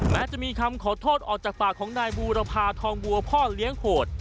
แม้จะมีคำขอโทษออกจากปากของนายบูรพาทองบัวพ่อเลี้ยงโหด